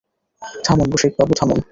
থামুন রসিকবাবু, থামুন।